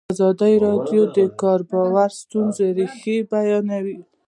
ازادي راډیو د د کار بازار د ستونزو رېښه بیان کړې.